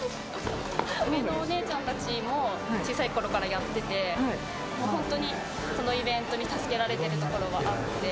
上のお姉ちゃんたちも、小さいころからやってて、本当にこのイベントに助けられてるところがあるので。